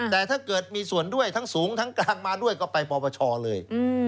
แต่ถ้าเกิดมีส่วนด้วยทั้งสูงทั้งกลางมาด้วยก็ไปปปชเลย